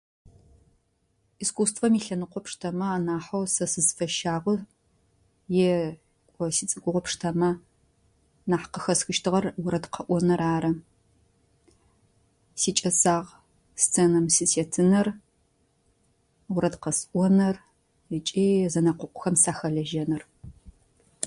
Искусствэм илъэныкъо пштэмэ анахьэу сэ сызфэщагъу е кӏо сицӏыкӏугъо пштэмэ нахь къыхэсхыщтыгъэр орэд къэӏоныр ары. Сикӏэсагъ сценэм сытетыныр, орэд къэсӏоныр ыкӏи зэнэкъокъухэм сахэлэжьэныр.